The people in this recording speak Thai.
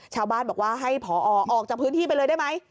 ชาวบ้านบอกว่าให้ผอออกจากพื้นที่ไปเลยได้ไหม